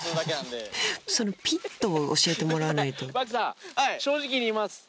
そのピッとを教えてもらわないとバイクさん。